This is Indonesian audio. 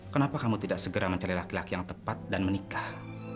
kenapa kamu tidak segera mencari laki laki yang tepat dan menikah